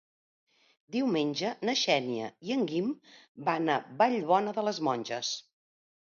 Diumenge na Xènia i en Guim van a Vallbona de les Monges.